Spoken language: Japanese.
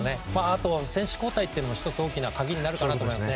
あと選手交代というのも１つ大きな鍵になると思います。